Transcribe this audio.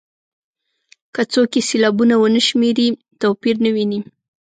که څوک یې سېلابونه ونه شمېري توپیر نه ویني.